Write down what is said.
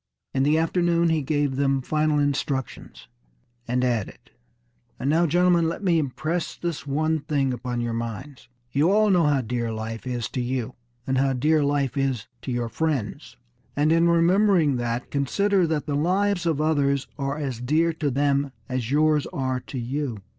In the afternoon he gave them final instructions, and added: "And now, gentlemen, let me impress this one thing upon your minds. You all know how dear life is to you, and how dear life is to your friends. And in remembering that, consider that the lives of others are as dear to them as yours are to you.